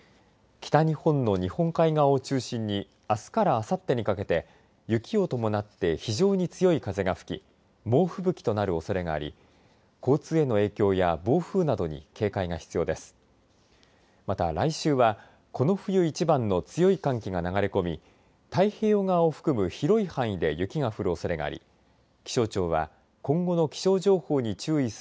北日本の日本海側を中心にあすからあさってにかけて雪を伴って非常に強い風が吹き猛吹雪となるおそれがあり交通への影響や暴風などに警戒が必要です。